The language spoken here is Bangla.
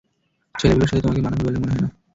ছেলেগুলোর সাথে তোমাকে মানাবে বলে মনে হয় না।